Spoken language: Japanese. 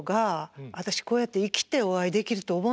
私こうやって生きてお会いできると思わなかった。